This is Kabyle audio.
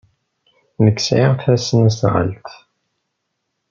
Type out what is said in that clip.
Nekk sɛiɣ tasnasɣalt.